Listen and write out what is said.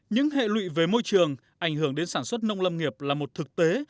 những hệ lụy về môi trường ảnh hưởng đến sản xuất nông lâm nghiệp là một thực tế